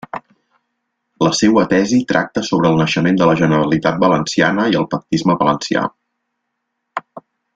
La seua tesi tracta sobre el naixement de la Generalitat Valenciana i el pactisme valencià.